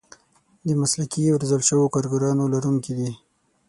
د مسلکي او روزل شوو کارګرانو لرونکي دي.